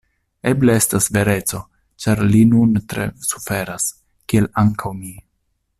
Eble estas vereco, ĉar li nun tre suferas, kiel ankaŭ mi.